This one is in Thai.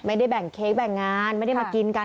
ไม่ได้แบ่งเค้กแบ่งงานไม่ได้มากินกัน